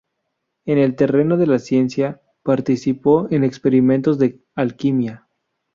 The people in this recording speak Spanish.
En el terreno de las ciencias, participó en experimentos de alquimia.